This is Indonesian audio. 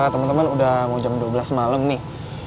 temen temen udah mau jam dua belas malem nih